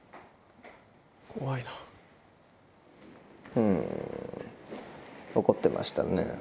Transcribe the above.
うん怒ってましたね。